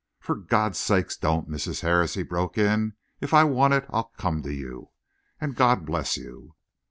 "For God's sake, don't, Mrs. Harris!" he broke in. "If I want it, I'll come to you. And God bless you!"